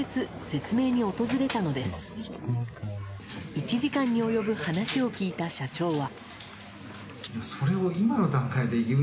１時間に及ぶ話を聞いた社長は。